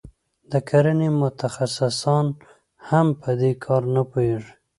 د کرنې متخصصان هم په دې کار نه پوهیږي.